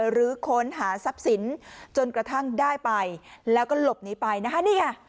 หรือค้นหาทรัพย์สินจนกระทั่งได้ไปแล้วก็หลบหนีไปนะคะนี่ไง